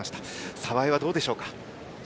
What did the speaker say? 澤江はどうでしょうか？